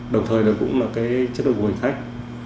đồng thời là cũng là cái chất độc của hành khách